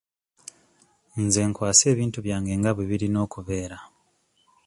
Nze nkwasa ebintu byange nga bwe birina okubeera.